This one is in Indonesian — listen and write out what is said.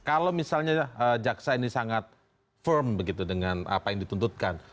kalau misalnya jaksa ini sangat firm begitu dengan apa yang dituntutkan